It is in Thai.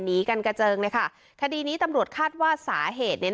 หนีกันกระเจิงเลยค่ะคดีนี้ตำรวจคาดว่าสาเหตุ